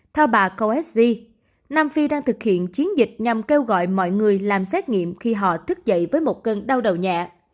theo bà conesg nam phi đang thực hiện chiến dịch nhằm kêu gọi mọi người làm xét nghiệm khi họ thức dậy với một cơn đau đầu nhẹ